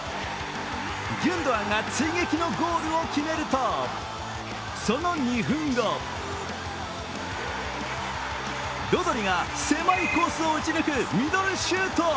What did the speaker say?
ギュンドアンが追撃のゴールを決めるとその２分後、ロドリが狭いコースを撃ち抜くミドルシュート。